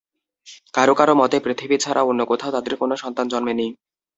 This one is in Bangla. কারো কারো মতে, পৃথিবী ছাড়া অন্য কোথাও তাঁদের কোন সন্তান জন্মেনি।